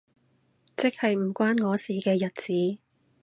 即係唔關我事嘅日子